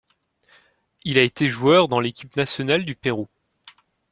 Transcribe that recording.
Il a été joueur dans l'équipe nationale du Pérou.